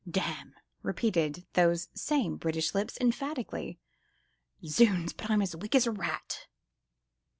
"Damn!" repeated those same British lips, emphatically. "Zounds! but I'm as weak as a rat!"